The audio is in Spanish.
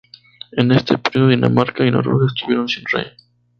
En ese período Dinamarca y Noruega estuvieron sin rey.